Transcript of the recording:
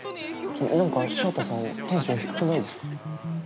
◆なんかショウタさんテンション低くないですか。